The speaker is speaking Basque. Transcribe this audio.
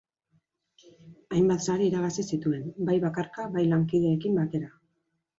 Hainbat sari irabazi zituen, bai bakarka, bai lankideekin batera.